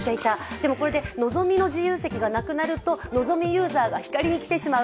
でも、これでのぞみの自由席がなくなるとのぞみユーザーがひかりに来てしまう。